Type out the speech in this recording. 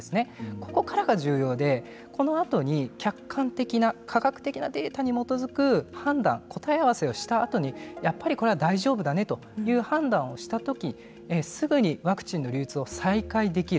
ここからが重要でこのあとに客観的な科学的なデータに基づく判断答え合わせをしたあとにやっぱりこれは大丈夫だねという判断をしたときすぐにワクチンの流通を再開できる。